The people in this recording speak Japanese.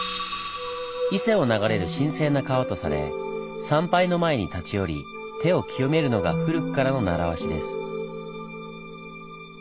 伊勢を流れる神聖な川とされ参拝の前に立ち寄り手を清めるのが古くからの習わしです。